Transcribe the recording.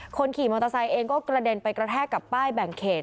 คนขี่มอเตอร์ไซค์เองก็กระเด็นไปกระแทกกับป้ายแบ่งเขต